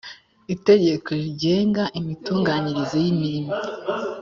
itegeko rigenga imitunganyirize y imirimo